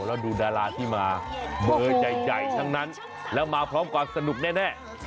แล้วดูดาราที่มาเบอร์ใหญ่ทั้งนั้นแล้วมาพร้อมความสนุกแน่